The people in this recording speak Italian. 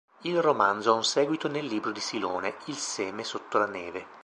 Il romanzo ha un seguito nel libro di Silone "Il seme sotto la neve".